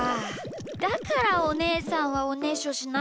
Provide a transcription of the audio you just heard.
だからおねえさんはおねしょしないのか。